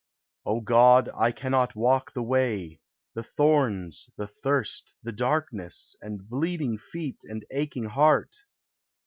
O God, I cannot walk the Way, The thorns, the thirst, the darkness, And bleeding feet and aching heart!